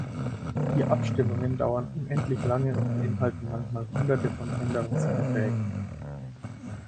Die Abstimmungen dauern unendlich lange und beinhalten manchmal Hunderte von Änderungsanträgen.